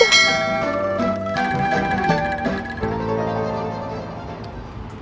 aku kasih tau juga